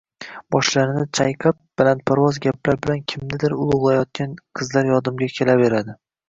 boshlarini chayqab balandparvoz gaplar bilan kimnidir ulug‘layotgan qizlar yodimga kelaveradi?